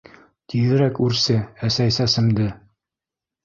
Тиҙерәк үрсе, әсәй, сәсемде!